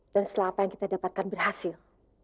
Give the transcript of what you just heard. dan setelah apa yang kita dapatkan berhasil